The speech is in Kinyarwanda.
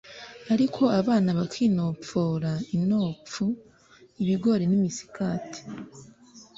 ariko abana bakinopfora inopfu, ibigori n’imisigati